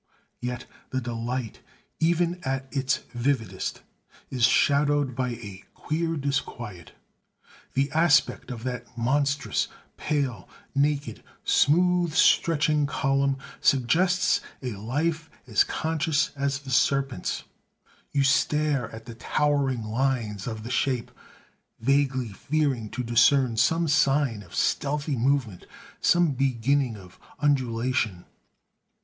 Yet the delight, even at its vividest, is shadowed by a queer disquiet. The aspect of that monstrous, pale, naked, smooth stretching column suggests a life as conscious as the serpent's. You stare at the towering lines of the shape, vaguely fearing to discern some sign of stealthy movement, some beginning of undulation.